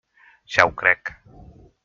Ja ho crec.